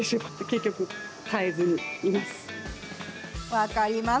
分かります。